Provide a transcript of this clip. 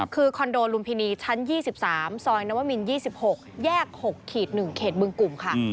คือคอนโดลุมพินีชั้น๒๓ซอยนวมิน๒๖แยก๖๑เขตบึงกลุ่มค่ะ